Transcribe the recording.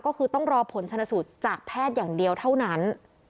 ก็คือต้องรอผลชนสูตรจากแพทย์อย่างเดียวเท่านั้น